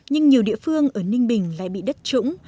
nhưng nhiều địa phương ở ninh bình lại bị đất trũng